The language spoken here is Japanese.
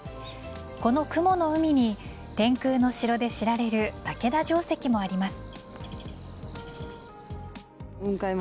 この雲の海に天空の城で知られる竹田城跡もあります。